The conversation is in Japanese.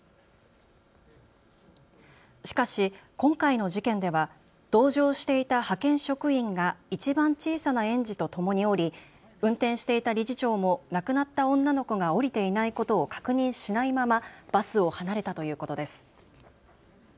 しかし今回の事件では同乗していた派遣職員がいちばん小さな園児とともに降り運転していた理事長も亡くなった女の子が降りていないことを確認しないままバスを離れたということです。